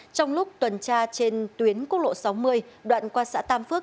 trong lúc tuần tra trên tuyến quốc lộ sáu mươi đoạn qua xã tam phước